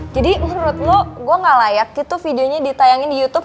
jadi menurut lo gue gak layak gitu videonya ditayangin di youtube